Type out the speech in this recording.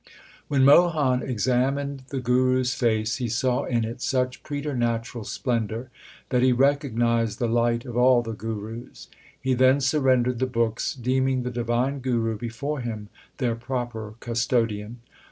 When Mohan examined the Guru s face, he saw in it such preternatural splendour, that he recognized the light of all the Gurus. He then surrendered the books, deeming the divine Guru before him their proper custodian.